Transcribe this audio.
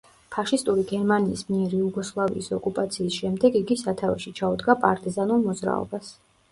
ფაშისტური გერმანიის მიერ იუგოსლავიის ოკუპაციის შემდეგ იგი სათავეში ჩაუდგა პარტიზანულ მოძრაობას.